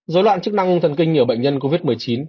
dối loạn chức năng thần kinh nhờ bệnh nhân covid một mươi chín